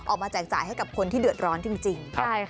แจกจ่ายให้กับคนที่เดือดร้อนจริง